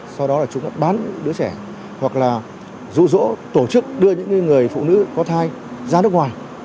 sau đó là chúng bán đứa trẻ hoặc là rụ rỗ tổ chức đưa những người phụ nữ có thai ra nước ngoài